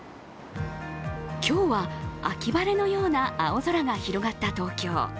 今日は秋晴れのような青空が広がった東京。